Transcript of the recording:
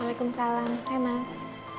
waalaikumsalam hai mas